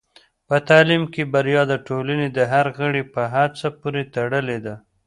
په تعلیم کې بریا د ټولنې د هر غړي په هڅه پورې تړلې ده.